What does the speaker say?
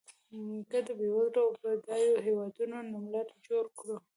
که د بېوزلو او بډایو هېوادونو نوملړ جوړ کړو.